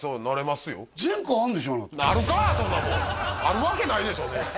あるわけないでしょ！